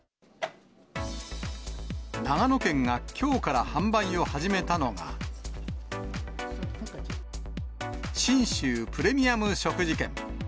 長野県がきょうから販売を始めたのが、信州プレミアム食事券。